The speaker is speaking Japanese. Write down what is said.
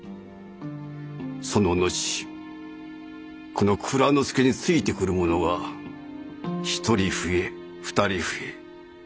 その後この蔵之助についてくる者が１人増え２人増え。